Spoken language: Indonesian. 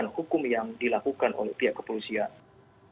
dan hukum yang dilakukan oleh pihak kepolisian